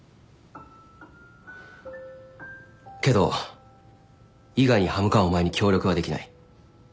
けど伊賀に刃向かうお前に協力はできない。